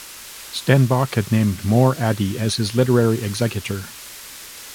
Stenbock had named More Adey as his literary executor.